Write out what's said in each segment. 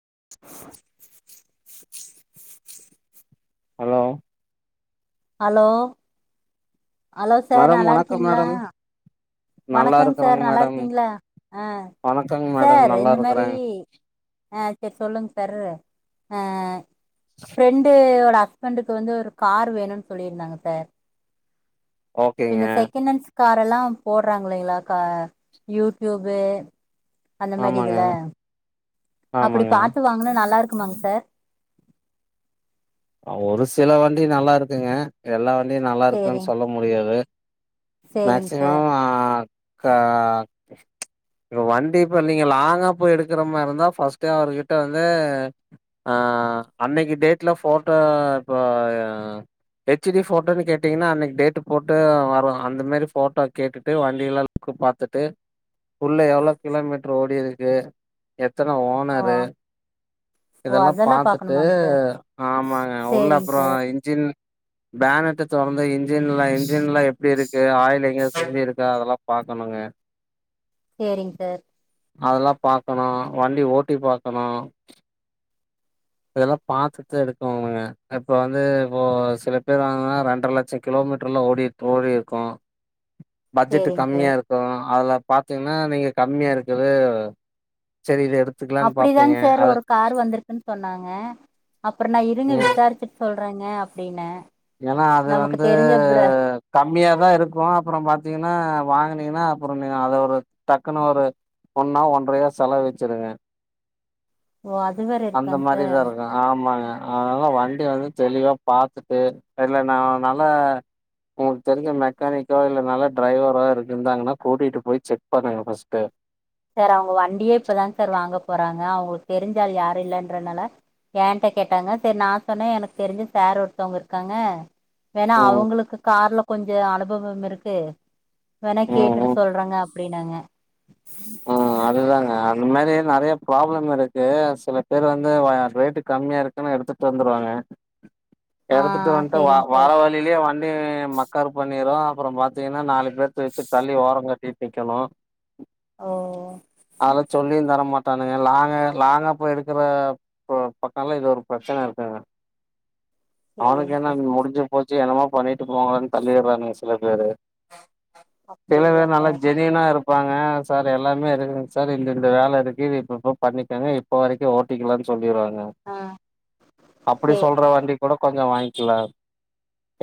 [inaudible] Hello hello hello sir madam நல்லா வணக்கம் இருக்கீங்களா மேடம் நல்லா வணக்கங் சார் இருக்கறேங்க நல்லா மேடம் இருக்கீங்களா ஆ வணக்கங்க மேடம் சார் நல்லா இந்த மாரி இருக்கறேன் ஆ சேரி சொல்லுங்க சர்ரு ஆ ஃப்ரெண்டு ஹஸ்பண்டக்கு வந்து ஒரு கார் வேணும்னு சொல்லியிருந்தாங்க சார் ஓகேங்க இந்த செகண்டன்ஸ் கார் எல்லா போடுறாங்களே இல்லக்கா யூடியூபு அந்த மாரி ஆமாங்க இதுல அப்டி ஆமாங்க பாத்து வாங்குனா நல்லா இருக் இருக்குமாங்க சார் ஒரு சில வண்டி நல்லா இருக்குங்க எல்லா வண்டி நல்லா இருக்குன்னு சேரிங் சொல்ல முடியாது சேரிங் சார் மேக்சிமம் ஆ கா வண்டி இப்ப நீங்க லாங்கா போய் எடுக்கிற மாரி இருந்தா ஃபர்ஸ்டே அவர்கிட்ட வந்து ஆ அன்னைக்கு டேட்ல போ ட்டோ இப்போ ஹெச்டி போட்டோன்னு கேட்டீங்கன்னா அன்னைக்கு டேட்டு போட்டு வரும் அந்த மாரி போட்டோ கேட்டுட்டு வண்டில எல்லா லுக் பாத்துட்டு உள்ள எவ்ளோ கிலோமீட்டர் ஓடிருக்கு எத்தன ஓ ஓனர்ரு ஓ இதெல்லாம் அதெல்லா பாத்துட்டு பாக்கணுமாங்க சார் ஆமாங்க உள்ள சேரிங் அப்றோ சார் இன்ஜின் பேனட்டா தொரந்தா இன்ஜீன்லா இன்ஜின் எல்லா எப்டி இருக்கு ஆயில் எங்க அ சிந்தி இருக்கா அது எல்லா பாக்கணும்ங்க சேரிங் சார். அதெல்லா பாக்கணு வண்டி ஓட்டி பாக்கணு. இதெல்லா பாத்துட்டுதா எடுக்கோணுங்க இப்ப வந்து இப்போ சில பேர் வாங்குனா ரெண்டர லட்சோ கிலோமீட்டர்லா ஓடி ஓடிருக்கு பட்ஜெட்டு சேரிங் சார் கம்மியா இருக்கு அதுல பாத்தீங்கன்னா நீங்க கம்மியா இருக்குது சரி இத எடுத்துக்கலான்னு அப்பிடிதாங் பாப்பீங்க சார் அது ஒரு கார் வந்திருக்குன் சொன்னாங்க. அப்றோ நா இருங்க ம் விசாரிச்சிட் சொல் றேங்க அப்டின்னே. ஏன்னா அது நமக்கு வந்து தெரிஞ்ச பிர கம்மியாதா இருக்கு அப்பற பாத்தீங்கன்னா வாங்குனீங்கன்னா அப்புற நீ அத ஒரு டக்குன்னு ஒரு ஒண்ணோ ஒன்ரையோ செலவு வெச்சுருங்க. ஓ அது வேற அந்த இருக்காங்க மாரிதா சார் இருக்கு ஆமாங்க. அதனால வண்டி வந்து தெளிவா பாத்துட்டு இல்லனா நல்ல உங்களுக்கு தெரிஞ்ச மெக்கானிக்கோ இல்ல நல்ல டிரைவரோ இருக் இருந்தாங்கன்னா கூட்டிட்டு போய் செக் பண்ணுங்க ஃபஸ்ட்டு. சார் அவங்க வண்டியே இப்பதாங்க சார் வாங்க போறாங்க அவங்களுக்கு தெரிஞ்ச ஆள் யாரு இல்லன்றனால ஏன்ட்ட கேட்டாங்க செரி நா சொன்னே எனக்கு தெரிஞ்ச சார் ஒருத்தவங்க இருக்காங்க ஏன்னா ம் அவங்களுக்கு கார்ல கொஞ்ச அனுபவோ இருக்கு வேண்ணா ம் கேட்டுட்டு ம் சொல்றங்க அப்டின்னங்க. உம் [inaudible] ஆ அதுதாங்க இந்த மாரி நெறைய ப்ராப்ளம் இருக்கு சில பேர் வந்து ஆ ரேட்டு கம்மியா இருக்குன்னு எடுத்துட்டு வந்துருவாங்க. ஆ எடுத்துட்டு வந்துட்டு வ சேரிங்க சார் வர வழியிலேயே வண்டி மக்கர் பண்ணிரு அப்புறம் பாத்தீங்கன்னா நாலு பேர்த்த வச்சு தள்ளி ஓரங் கட்டிட் நிக்கணு. ஓ அத சொல்லியு தர மாட்டானுக லாங்கா லாங்கா போய் எடுக்கிற ப பக்கம்லா இது ஒரு பிரச்சன இருக்குங்க. அவனுக்கு சேரிங்க என்ன சார் இனி முடிஞ்சு போச் சு என்னமோ பண்ணிட்டு போங்கனு தள்ளிடுறானுக சில பேரு சில அப்டிங்களா பேர் நல்லா சார் ஜென்யூனா இரு ப்பாங்க சார் எல்லா மே இருக்குங் சார் இந்த இந்த வேல இருக்கு இது இப்ப இப்ப பண்ணிக்கங்க இப்ப வரைக்கு ஓட்டிக்கலான்னு சொல்லிருவாங் க. ஆ அப்பிடி சேரி சொல்ற வண்டி கூட கொஞ்ச வாங்க் கிலா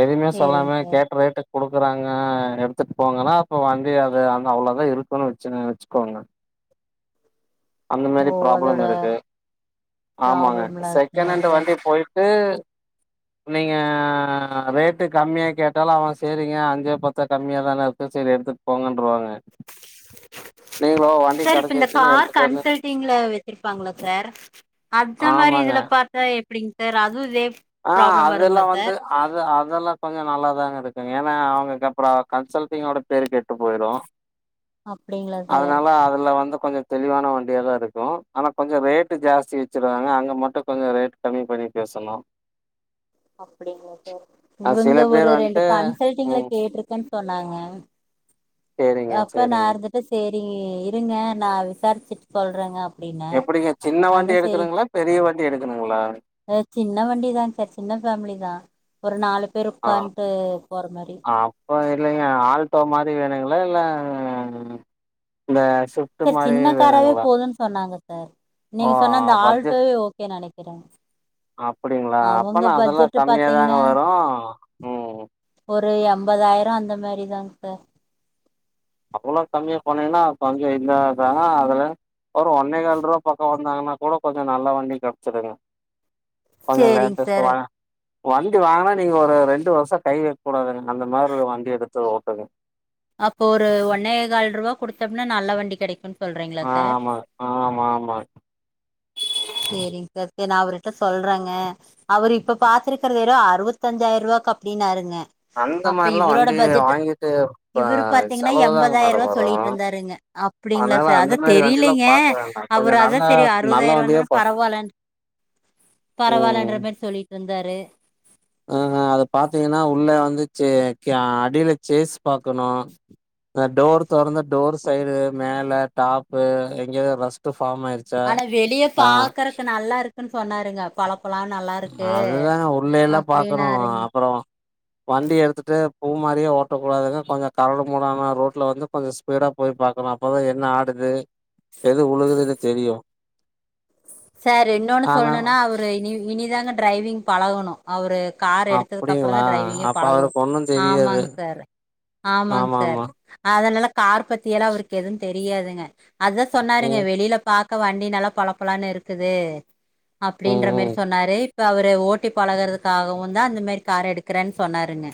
எதுமே சேரிங்க சொல்லாம சார் கேட்ட ரேட்டுக் குடுக்குறாங்க எடுத்துட்டு போங்கன்னா அப்ப வண்டி அது வந்து அவ்ளோதா இருக்குன்னு வச்சுனு வச் சுக்கோங்க அந்த மாரி ஓ ப்ராப்ளம் அதோட இருக்கு. ஆமாங்க ப்ராப்ளம்லா இருக்குங்களா செக்கனண்டு சார் வண்டி போயி க்கு நீங்க ரேட்டு கம்மியா கேட்டாலு அவங்க சேரிங்க அஞ்சோ பத்தோ கம்மியாதான இருக்கு செரி எடுத்துட்டு போங்கன்ருவாங்க. சார் இப்ப இந்த கார் எடுத்துட்டு வந்து கன்சல்டிங்ல வச்சிருப்பாங்கல்ல சார் அந்த மாரி ஆமாங்க இதுல பாத்தா எப் எப்டிங்க சார் அதுவு இதே ஆ ப்ராப்ளம் வருங்களா அதெல்லா சார் வந்து அது அதெல்லா கொஞ்ச நல்லாதாங்க இருக்கு ஏன்னா அவங்களுக்கு அப்றோ கன்சல்டிங்கோட பேரு கெட்டு போயிரு அப்டிங்களா சார் அதனால அதுல வந்து கொஞ்ச தெளிவான வண்டியாதா இருக்கு. ஆனா கொஞ்ச ரேட்டு ஜாஸ்தி வச்சிருவாங்க அங்க மட்டு கொஞ்ச ரேட் கம்மி பண்ணி பேசணு. அப்டிங்களா சார் அ சில இவங்க பேர் ஒரு ரெண்டு வந்துட்டு கன்சல்ட்டிங்ல ம் கேட்ருக்கேன்னு சொன்னாங்க சரிங்க, அப்ப நா சரிங்க. இருந்துட்டு சே ரி இருங்க நா விசாரிச்சுட்டு சொல்றேங்க அ எப்பிடிங்க சின்ன வண்டி எடுக்குணுங்களா பெரிய வண் டி எடுக்கணுங்களா? அ சின்ன வண்டிதா சார் சின்ன ஃபேமிலிதா. ஒரு நாலு பேர் ஆ உட்கான்ட்டு போற மாரி ஆ அப்ப இல்லைங்க ஆல் டோ மாரி வேணுங்ளா இல்ல இந்த ஸ்விஃப்ட் சார் மாரி சின்ன காராவே வேணுங்களா? போதுன்னு சொன்னாங்க சார் ஓ நீங்க சொன்ன அந்த ஆல்ட்டோவே ஓகே நெனைக் கிறே அப்டிங்களா அப்பனா அதெல்லா கம்மியாதாங்க பாத்தீங்கன்னா வரு ம் ஒரு எம்பதாயிரோ அந்த மாரிதாங் சார். அவ்ளோ கம்மியா போனீங்கன்னா கொஞ்சோ இதாதாங்க அதுல ஒரு ஒன்னே கால் ரூவா பக்கோ வந்தாங்கன்னா கூட கொஞ்சோ நல்ல வண்டி கெடச்சிடுங்க. கொஞ்ச சேரிங் லேட்டஸ்ட் சார் மா வண்டி வாங்குனா நீங்க ஒரு ரெண்டு வருஷோ கை வைக்க கூடாதுங்க அந்த மாரி ஒரு வண்டி எடுத்து ஓட்டுங்க. அப்போ ஒரு ஒன்னே கால் ரூவா குடுத்தம்னா நல்ல வண்டி கெடைக்குன் சொல்றீங்களா ஆ சார் ஆமா ஆமா ஆமா சேரிங் சார். சேரி நா அவருகிட்ட சொல்றேங்க அவரு இப்ப பாத்துருக்குறது வெறு அறுவத்தஞ்சாயிரூவாக்கு அப்டின்னாருங்க. அந்த அப்ப மாரில்லா இவரோட வண்டி பட்ஜெட் வாங்கிட்டு இப்ப இவரு பாத்தீங்கனா செலவுதாங்க எம்பதாயர்ரூவா மேடம் வரு சொல்லிட்ருந்தாருங்க அப்டிங்களா அதனால சார் அந்த அத மாரி வண்டிலா தெரியலீங்க பாக்க வேண்டா கொஞ்சோ அவரு அதா நல்ல செரி நல்ல அறுபதாயர்ரூவானா வண்டியா பா பரவால்லன் பரவால்லன்ற மாரி சொல்லிட் ருந்தாரு ஆ ஆ அத பாத்தீங்கன்னா உள்ள வந்து சே க அடியில சேஸ் பாக்கணு அ டோர் தொறந்து டோர் சைடு மேல டாப்பு எங்கயாது ரஸ்ட்டு ஆனா வெளிய பாக்கறக்கு நல்லா இருக் குன்னு சொன்னாருங்க பள அதுதாங்க உள்ள எல்லா பாக்கணு அப்டின்னாருங்க அப்புறோ வண்டி எடுத்துட்டு பூ மாரியே ஓட்டக்கூடாதுங்க கொஞ்ச கரடு முரடான ரோட்ல வந்து கொஞ்ச ஸ்பீடா போய் பாக்கணு அப்பதா என்ன ஆடுது எது உழுகுதுனு தெரியு சார் இன்னொன்னு சொல்லணுன்னா அவரு இனி இனிதாங்க டிரைவிங் பழகணு அவரு கார் எடுத்ததுக்கு அப்புறம்தா அப்படிங்களா டிரைவிங்கே அப்ப பழகு அவருக்கு ஒண்ணும் தெரியாது ஆமாங் சார் ஆமாங் ஆமா சார் ஆமா அதனால கார் பத்தியெல்லா அவருக்கு எதுவு தெரியாதுங்க. அதா சொன்னாருங்க ம் வெளியில பா க்க வண்டி நல்லா பளபளான்னு இரு க்குது ம் அப்டின்ற மாரி ம் சொன்னாரு இப்ப அவரு ஓட்டி பழகுறதுக்காகவுந்தா அந்த மாரி கார் எடுக்கறேன்னு சொன்னாருங்க.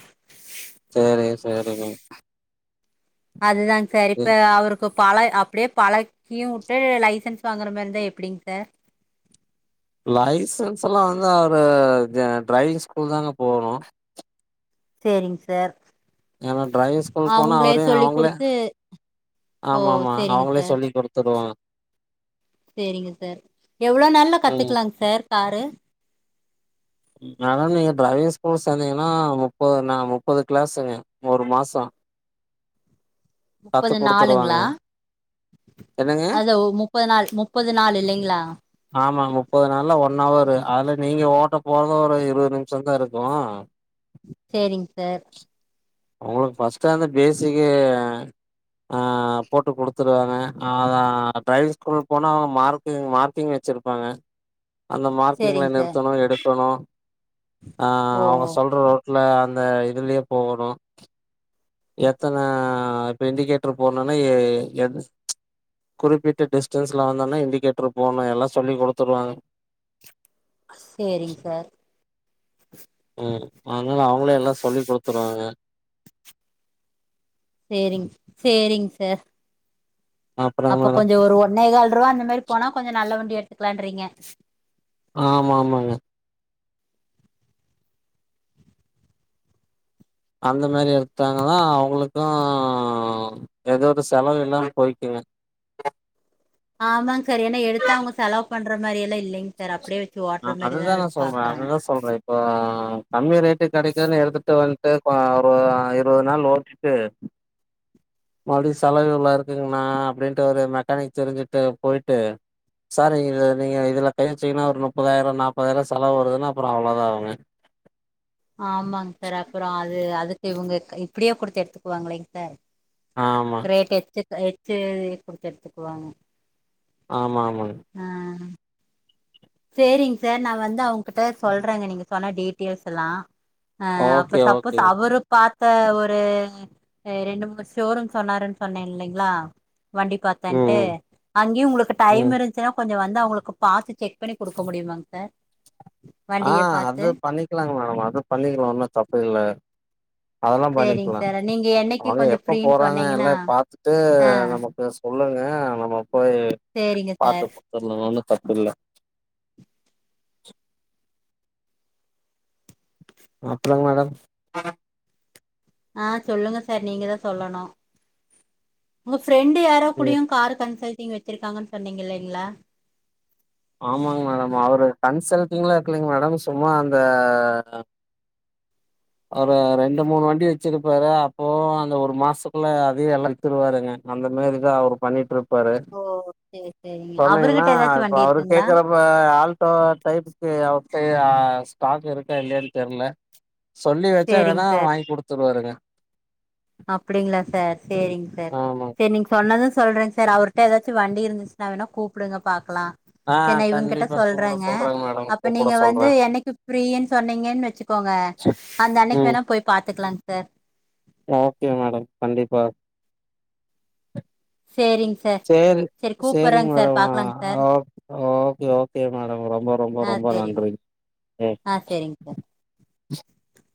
சரி சரிங்க அதுதாங் சார் இப்ப அவரு இப்ப பழ அப்டியே பழக்கியு வுட்டு லைசன்ஸ் வாங்குற மாரி இருந்தா எப்டிங் சார்? லைசன்ஸ்லா வந்து அவரு து டிரைவிங் ஸ்கூல்தாங்க போகணு சேரிங் சார் ஏன்னா டிரைவிங் ஸ்கூல் போனா அவங்களே அவரையு சொல்லி அவங்களே குடுத்து ஓ ஆமா ஆமா சேரிங்க சார் அவங்களே சொல்லி் குடுத்துடுவாங்க. சேரிங்க சார். எவ்ளோ நல்லா ம். கத்துக்கலாங் சார் காரு? மேடம் நீங்க டிரைவிங் ஸ்கூல் சேந்தீங்கன்னா முப்பது ந முப்பது கிளாஸ்ங்க ஒரு மாசோ கத்து முப்பது குடுத்துருவாங்க. நாளுங்களா என்னங்க? அது மு ப்பது நாள் முப்பது நாள் இல்லைங்களா? ஆமா முப்பது நாள்ல ஒன் அவரு அதுல நீங்க ஓட்டப் போறது ஒரு இருவது நிமிஷந்தா இருக்கு சேரிங் சார் அவுங்களுக்கு ஃபஸ்ட்டு அந்த பேசக்கி ஆ போட்டு குடுத்துருவாங்க அது ஆ ட்ரைவிங் ஸ்கூல் போனா அவங்க மார்க்கிங் மார்க்கிங் வச்சிருப்பாங்க அந்த மார்க்கிங்ல சேரிங் சார் நிறுத்தணு எடுக்கணு ஓ ஆஹ் அவங்க சொல்ற ரோட் ல அந்த இதுலயே போகணு எத்தன இப்ப இண்டிகேட்டரு போடனுன்னா எ எந் குறிப்பிட்ட டிஸ்டன்ஸ்ல வந்தோன்னே இண்டிகேட்டரு போட்ணு எல்லா சொல்லி குடுத்துருவாங்க. சேரிங் சார் ம் அதனால அவங்களே எல்லா சொல்லிக் குடுத்துருவாங்க. சேரிங் சேரிங் சார். அப்புறோ அப்ப மேடம் கொஞ்ச ஒரு ஒன்னேகால் ரூவா அந்த மாரி போனா கொஞ்ச நல்ல வண்டி எடு த்துக்கலான்றீங்க ஆமா ஆமாங்க. அந்த மாரி எடுத்தாங்னாதா அவங்களுக்கு எதாவது செலவு இல்லாம போய்க்குங்க. ஆமாங்க சார் ஏன்னா எடுத்து அவங்க செலவு பண்ற மாரி எல்லா இல்லைங் சார் அப்டியே வச் ஆ அதுதாங்க சொல்றே அதுதா சொல்றே இப்போ ஆ கம்மி ரேட் டுக்கு கெடைக்குதுன்னு எடுத்துட்டு வந் துட்டு இப்ப ஒரு இருவது நாள் ஓட்டிட்டு மறுபடியு செலவு இவ்ளோ இருக்குங்ண்ணா அப்டின்ட்டு ஒரு மெக்கானிக் தெரிஞ்சுட்டு போயிட்டு சார் இது நீங்க இதுல கை வச்சீங்கன்னா ஒரு நுப்பதாயிரோ நாப்பதாயர்ரூவா செலவு வருதுன்னா அப்புறோ அவ்வளவுதா அவுங்க. ஆமாங்க சார் அப்றோ அது அது இவங்க க இப்டியே குடுத்து எடுத்துக்குவாங்களேங் சார். ஆமா ரேட் எச்சு க எச் சு குடுத்து எடுத்துக்குவாங்க. ஆமா ஆமாங் ஆ சேரிங் சார் நா வந்து அவங்ககிட்ட சொல்றேங்க நீங்க சொன்ன டீட்டெய்ல்ஸ் எல்லா. ஆ அப்ப ஓகே சப்போஸ் ஓகேங்க அவரு பா த்த ஒரு ஆ ரெண்டு மூணு ஷோரூம் சொன்னாருன்னு சொன்னே இல்லைங்களா வண்டி ம் பாத்தன்ட்டு அங்கயு உங்களுக்கு ம் டைம் ம் இருந்துச்சுனா கொஞ்ச வ ந்து அவங்களுக்கு பாத்து செக் பண்ணி குடுக்க முடியுமாங் சார்? ஆ வண்டிய பாத்து அது பண்ணிக்கலாங்க மேடம் அது பண்ணிக்கலா ஒண்ணு தப்பு இல்ல. அதெல்லா சேரிங்க பண்ணிக்கலா சார் நீங்க என்னைக்கு அவங்க கொஞ்ச எப்ப ஃப்ரீன்னு போறாங்க சொன்னீங்கன்னா எல்லா பாத்துட்டு ஆ நமக்கு சொ ல்லுங்க நம்ம போயி சேரிங்க பாத்து சார் குடுத்தரலா அதுல ஒண்ணு தப்பு இல்ல. [inaudible] அப்பறங்க மேடம்? ஆ சொல்லுங்க சார் நீங்கதா சொல்லணு. உங்க ஃப்ரெண்டு யாரோ ம் கூடயு காரு கன்சல் டிங் வச்சிருக்காங்கன்னு சொன்னீங்க இல்லைங்களா? ஆமாங்க மேடம் அவரு கன்சல்ட்டிங்லா வக்கலைங்க மேடம் சும்மா அந்த ஒரு ரெண்டு மூணு வண்டி வச்சிருப்பாரு அப்போவு அந்த ஒரு மாசக்குள்ள அதையு எல்லா வித்துருவாருங்க அந்த மாரிதா அவரு பண்ணிட்டுருப் ஓ சேரி சேரிங்க அவருகிட்ட ஏதாச்சு வண்டி இருக்குங் கேக்கறப்ப ஆல்டோ டைப்புக்கு அவர் ட்டயு ஆ ஸ்டாக் இருக்கா இல்லயான்னு தெர்ல. சொல்லி வச்சா வேண்ணா வாங்கி குடுத்துருவாருங்க. அப்படிங்களா சார் சேரிங் சார் ஆமா சேரி நீங்க சொன்னது சொல்றேங்க சார் அவர்ட்ட எதாச்சு வண்டி இருந்துச்சுன்னா வேண்ணா கூப்டுங்க பா க்கலா ஆ சேரி இவங்ககிட்ட கண்டிப்பா கூப்ட சொல்றேங்க மேடம் அப்ப கூப்ட நீங்க சொல்றே வந்து என்னைக்கு ஃப்ரீன்னு சொன்னீங்கன்னு வச்சுக்கோங்க அந்த அன்னக்கி ம் வேண்ணா போய் பாத்துக்கலாங் சார் ஓகே மேடம் கண்டிப்பா. சேரிங் சார் சேரி சேரிங்க கூப்பறேங்க சார் மேடம் ஆ பாக்கலாங் sir okay okay okay madam ரொம்ப ரொம்ப ஆ ரொம்ப சேரிங்க நன்றிங் ஆ சேரிங்க சார் சேரி [inaudible]